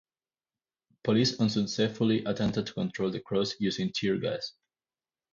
Police unsuccessfully attempted to control the crowds using tear gas.